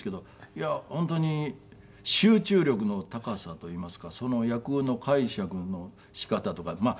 いや本当に集中力の高さといいますかその役の解釈の仕方とか。